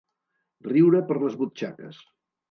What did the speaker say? Riure per les butxaques.